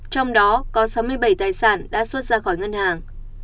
trong đó có sáu mươi bảy tài sản đã xuất ra khỏi ngân hàng